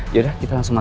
ya udah sini deh okelah